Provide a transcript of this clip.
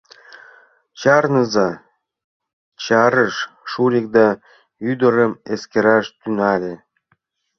— Чарныза! — чарыш Шурик да ӱдырым эскераш тӱҥале.